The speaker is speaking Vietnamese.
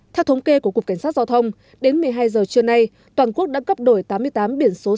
theo thống kê của cục cảnh sát giao thông đến một mươi hai giờ trưa nay toàn quốc đã cấp đổi tám mươi tám biển số xe